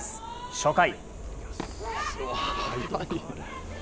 初回。